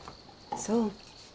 そう。